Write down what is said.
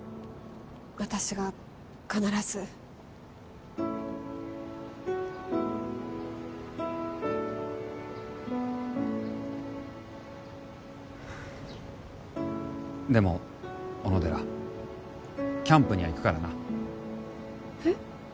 私が必ずでも小野寺キャンプには行くからなえっ？